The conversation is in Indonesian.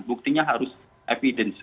sebenarnya harus evidence